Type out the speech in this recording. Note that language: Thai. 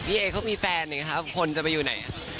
พี่เอเขามีแฟนเองครับคนจะไปอยู่ไหน